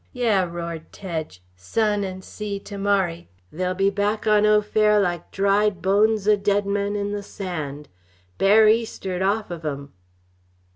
"Yeh!" roared Tedge. "Sun and sea to morry they'll be back on Au Fer like dried bones o' dead men in the sand! Bear east'ard off of 'em!"